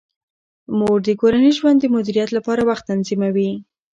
مور د کورني ژوند د مدیریت لپاره وخت تنظیموي.